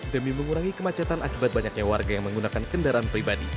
demi mengurangi kemacetan akibat banyaknya warga yang menggunakan kendaraan pribadi